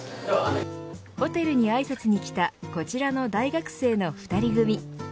ホテルにあいさつに来たこちらの大学生の２人組。